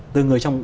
từ người trong